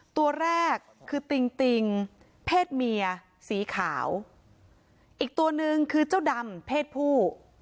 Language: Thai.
ตัวแรกคือติ่งติงเพศเมียสีขาวอีกตัวหนึ่งคือเจ้าดำเพศผู้